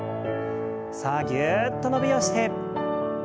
さあぎゅっと伸びをして。